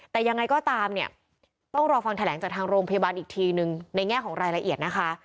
แต่ยังไงก็ตามเนี่ยต้องรอฟังแถลงจากทางโรงพยาบาลอีกทีนึงในแง่ของรายละเอียดนะคะ